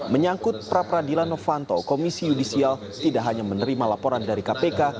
menyangkut pra peradilan novanto komisi yudisial tidak hanya menerima laporan dari kpk